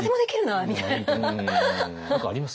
何かあります？